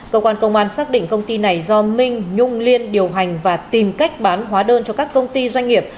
cơ quan công an xác định công ty này do minh nhung liên điều hành và tìm cách bán hóa đơn cho các công ty doanh nghiệp